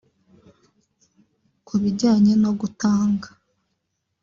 Ku bijyanye no gutanga